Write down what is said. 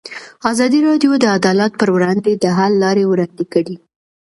ازادي راډیو د عدالت پر وړاندې د حل لارې وړاندې کړي.